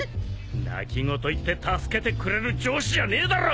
泣き言言って助けてくれる上司じゃねえだろ！